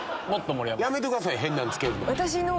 やめてください変なん付けるの。